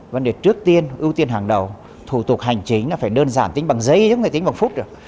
vấn đề trước tiên ưu tiên hàng đầu thủ tục hành chính là phải đơn giản tính bằng giấy tính phải tính bằng phút được